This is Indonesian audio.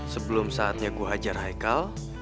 sebelum saatnya gue hajar haikal